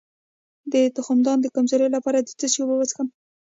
د تخمدان د کمزوری لپاره د څه شي اوبه وڅښم؟